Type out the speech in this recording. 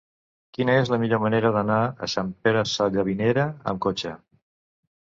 Quina és la millor manera d'anar a Sant Pere Sallavinera amb cotxe?